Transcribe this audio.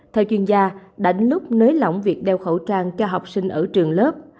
thầy chuyên gia đã đến lúc nới lỏng việc đeo khẩu trang cho học sinh ở trường lớp